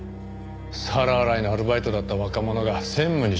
皿洗いのアルバイトだった若者が専務に出世。